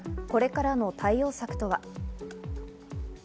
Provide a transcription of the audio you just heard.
これからの対応策とは？